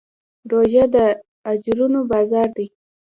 روژه د اجرونو بازار دی.